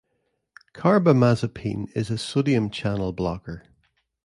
Carbamazepine is a sodium channel blocker.